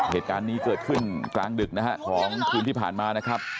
เหตุการณ์นี้เกิดขึ้นกลางดึกนะฮะของคืนที่ผ่านมานะครับ